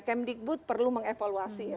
kemdikbud perlu mengevaluasi ya